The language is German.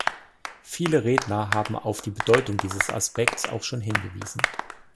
Viele Redner haben auf die Bedeutung dieses Aspekts auch schon hingewiesen.